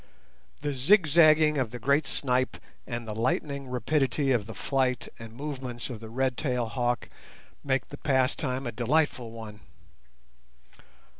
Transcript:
The zigzagging of the great snipe and the lightning rapidity of the flight and movements of the red tailed hawk make the pastime a delightful one.